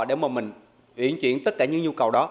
để mà mình uyển chuyển tất cả những nhu cầu đó